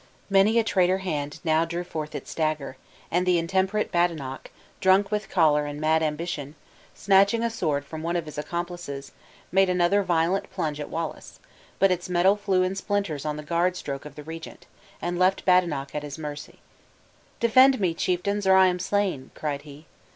Many a traitor hand now drew forth its dagger, and the intemperate Badenoch, drunk with choler and mad ambition, snatching a sword from one of his accomplices, made another violent plunge at Wallace, but its metal flew in splinters on the guard stroke of the regent, and left Badenoch at his mercy. "Defend me, chieftains, or I am slain!" cried he.